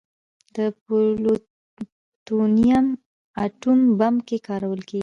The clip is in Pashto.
د پلوټونیم اټوم بم کې کارول کېږي.